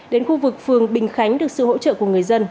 đến khu vực phường bình khánh được sự hỗ trợ của người dân